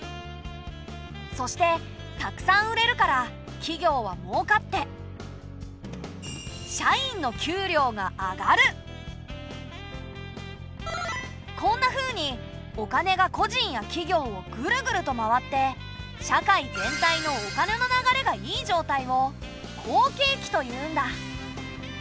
そしてたくさん売れるから企業はもうかって社員のこんなふうにお金が個人や企業をぐるぐると回って社会全体のお金の流れがいい状態を好景気というんだ。